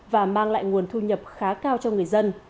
và mang lại nguồn thu nhập khá cao cho người dân